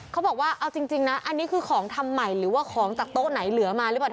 เขาบอกว่าเอาจริงนะอันนี้คือของทำใหม่หรือว่าของจากโต๊ะไหนเหลือมาหรือเปล่า